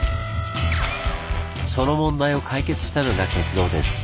その問題を解決したのが鉄道です！